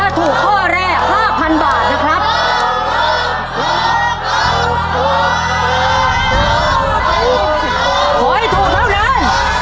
ถ้าถูกข้อแรก๕พันบาทนะครับ